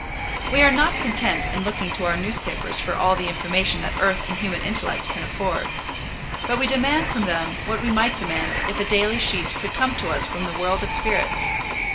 We are not content in looking to our newspapers for all the information that earth and human intellect can afford; but we demand from them what we might demand if a daily sheet could come to us from the world of spirits.